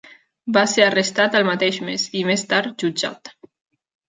Va ser arrestat el mateix mes i, més tard, jutjat.